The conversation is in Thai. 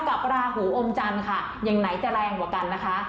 ราหูอมจันทร์ค่ะอย่างไหนจะแรงกว่ากันนะคะ